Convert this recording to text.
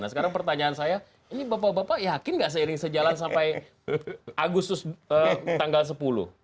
nah sekarang pertanyaan saya ini bapak bapak yakin gak seiring sejalan sampai agustus tanggal sepuluh